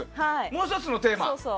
もう１つのテーマ。